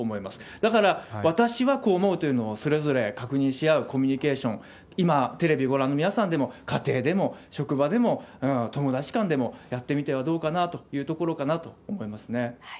だから、私はこう思うというのを、それぞれ確認し合うコミュニケーション、今、テレビをご覧の皆さんでも、家庭でも、職場でも、友達間でもやってみてはどうかなというところかなと思いますね。